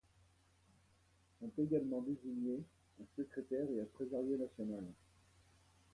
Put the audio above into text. Sont également désigné un secrétaire et un trésorier national.